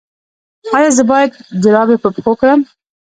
ایا زه باید جرابې په پښو کړم؟